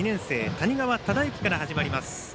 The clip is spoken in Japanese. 谷川忠幸から始まります。